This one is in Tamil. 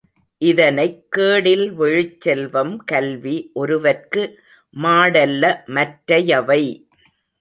இதனைக் கேடில் விழுச்செல்வம் கல்வி ஒருவற்கு மாடல்ல மற்றை யவை.